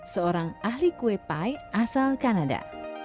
seorang ahli kue pie asal kanada